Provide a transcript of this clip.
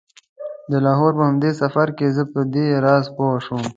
د لاهور په همدې سفر کې زه په دې راز پوی شوم.